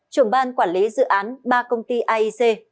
trưởng ban quản lý dự án ba công ty aic